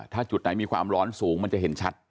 ถ้าจุดไหนมีความร้อนสูงมันจะเห็นชัด